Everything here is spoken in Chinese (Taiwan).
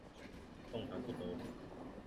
動彈不得